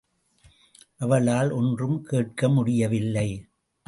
அவளால் ஒன்றும் கேட்க முடியவில்லை.